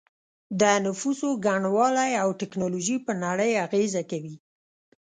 د نفوسو ګڼوالی او ټیکنالوژي په نړۍ اغیزه کوي